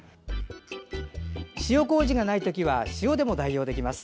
塩こうじがない時は塩でも代用できます。